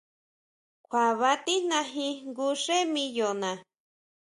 Kjua ba tijnajin jngu xé miyona.